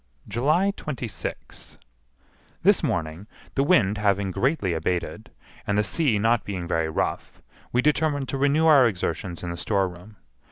July 26. This morning, the wind having greatly abated, and the sea not being very rough, we determined to renew our exertions in the storeroom.